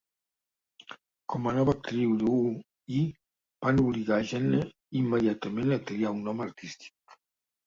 Com a nova actriu d'U-I, van obligar Gene immediatament a triar un nom artístic.